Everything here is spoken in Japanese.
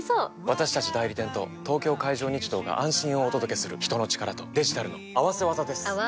私たち代理店と東京海上日動が安心をお届けする人の力とデジタルの合わせ技です！